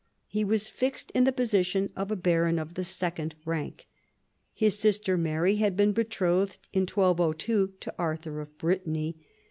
He was fixed in the position of a baron of the second rank. His sister Mary had been betrothed in 1202 to Arthur of Brittany.